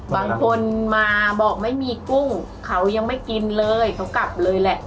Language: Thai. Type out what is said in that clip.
บางคนมาบอกไม่มีกุ้งเขายังไม่กินเลยเขากลับเลยแหละ